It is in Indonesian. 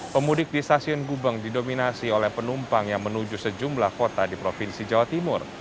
pemudik di stasiun gubeng didominasi oleh penumpang yang menuju sejumlah kota di provinsi jawa timur